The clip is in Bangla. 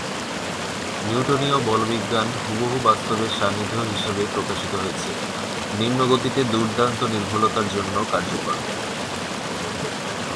নিউটনীয় বলবিজ্ঞান হুবহু বাস্তবের সান্নিধ্য হিসাবে প্রকাশিত হয়েছে, নিম্ন গতিতে দুর্দান্ত নির্ভুলতার জন্য কার্যকর।